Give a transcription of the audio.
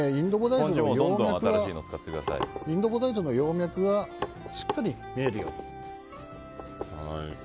インドボダイジュの葉脈がしっかり見えるように。